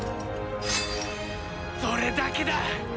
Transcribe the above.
それだけだ！